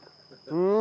うん。